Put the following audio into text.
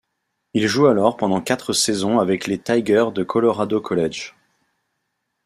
Il joue alors pendant quatre saisons avec les Tigers de Colorado College.